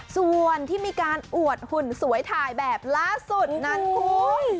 ส่วนที่มีการอวดหุ่นสวยถ่ายแบบล่าสุดนั้นคุณ